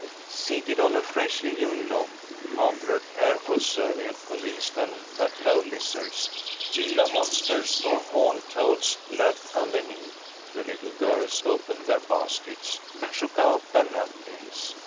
Seated on a freshly hewn log, after a careful survey had convinced them that no lizards, Gila monsters, or horned toads lurked underneath, the little girls opened their baskets, and shook out their napkins.